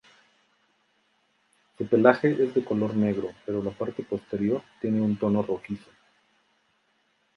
Su pelaje es de color negro, pero la parte posterior tiene un tono rojizo.